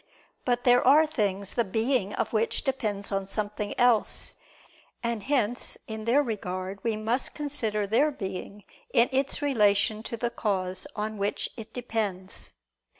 But there are things the being of which depends on something else, and hence in their regard we must consider their being in its relation to the cause on which it depends.